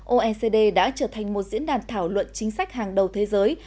oecd đã trở thành một diễn đàn thảo luận chính sách hàng đầu thế giới